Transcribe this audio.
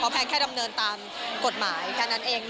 แพงแค่ดำเนินตามกฎหมายแค่นั้นเอง